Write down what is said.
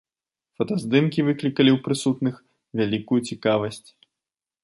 Фотаздымкі выклікалі ў прысутных вялікую цікавасць.